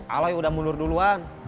aloy udah mundur duluan